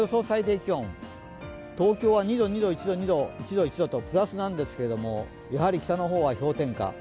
最低気温、東京は２度、２度、１度、２度、１度、１度とプラスなんですけれども、やはり北の方は氷点下。